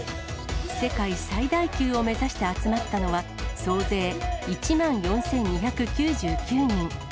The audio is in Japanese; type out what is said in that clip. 世界最大級を目指して集まったのは、総勢１万４２９９人。